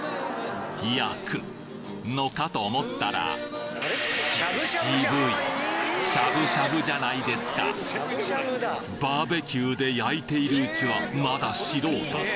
焼くのかと思ったらし渋いしゃぶしゃぶじゃないですかバーベキューで焼いているうちはまだ素人。